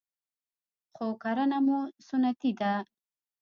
خو کرهنه مو سنتي ده